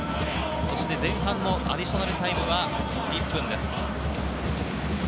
前半のアディショナルタイムは１分です。